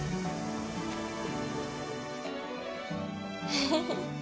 フフフッ。